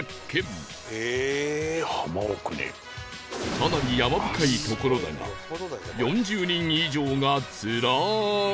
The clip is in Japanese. かなり山深い所だが４０人以上がずらーり